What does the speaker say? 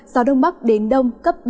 gió đông bắc đến đông cấp ba bốn